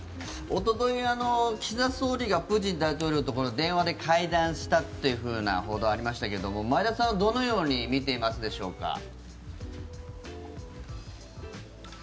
おととい岸田総理がプーチン大統領と電話で会談したというふうな報道がありましたが前田さんはどのように見ていますでしょうか？